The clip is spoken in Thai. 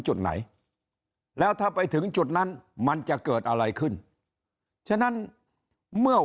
จุดไหนแล้วถ้าไปถึงจุดนั้นมันจะเกิดอะไรขึ้นฉะนั้นเมื่อ